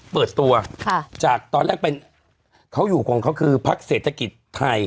เปิดตัวจากตอนแรกเป็นเขาอยู่ของเขาคือพักเศรษฐกิจไทย